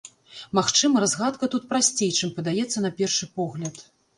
Магчыма, разгадка тут прасцей, чым падаецца на першы погляд.